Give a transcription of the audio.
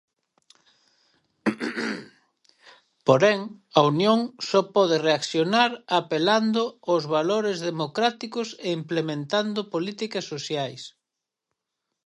Porén, a Unión só pode reaccionar apelando aos valores democráticos e implementando políticas sociais.